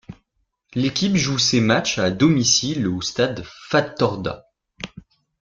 L'équipe joue ces matchs à domicile au Stade Fatorda.